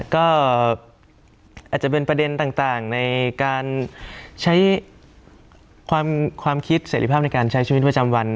ก็อาจจะเป็นประเด็นต่างในการใช้ความคิดเสร็จภาพในการใช้ชีวิตประจำวัน